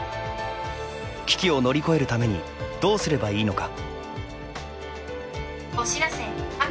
危機を乗り越えるためにどうすればいいのか。